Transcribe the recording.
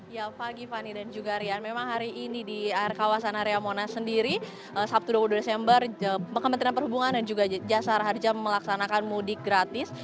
ya pagi fani dan juga rian memang hari ini di kawasan area monas sendiri sabtu dua puluh dua desember kementerian perhubungan dan juga jasara harja melaksanakan mudik gratis